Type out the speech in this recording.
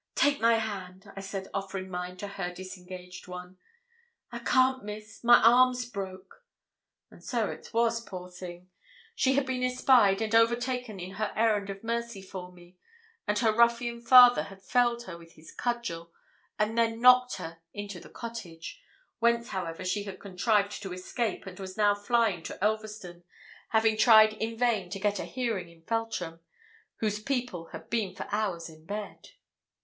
'Take my hand,' I said offering mine to her disengaged one. 'I can't, Miss my arm's broke.' And so it was, poor thing! She had been espied and overtaken in her errand of mercy for me, and her ruffian father had felled her with his cudgel, and then locked her into the cottage, whence, however, she had contrived to escape, and was now flying to Elverston, having tried in vain to get a hearing in Feltram, whose people had been for hours in bed.